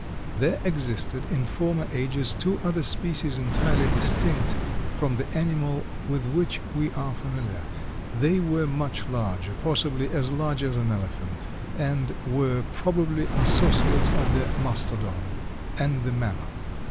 There existed in former ages two other species entirely distinct from the animal with which we are familiar. They were much larger, possibly as large as an elephant, and were probably associates of the mastodon and the mammoth.